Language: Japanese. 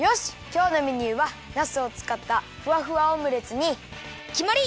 きょうのメニューはナスをつかったふわふわオムレツにきまり！